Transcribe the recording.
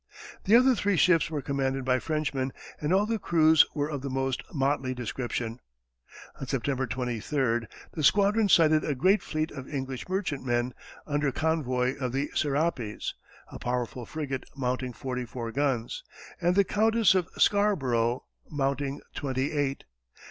The other three ships were commanded by Frenchmen, and all the crews were of the most motley description. On September 23, the squadron sighted a great fleet of English merchantmen, under convoy of the Serapis, a powerful frigate mounting forty four guns, and the Countess of Scarborough, mounting twenty eight.